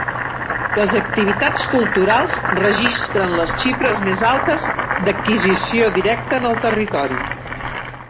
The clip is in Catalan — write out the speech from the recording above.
Les activitats culturals registren les xifres més altes d'adquisició directa en el territori.